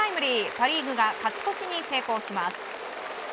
パ・リーグが勝ち越しに成功します。